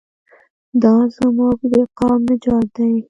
دا زموږ د قام نجات دی.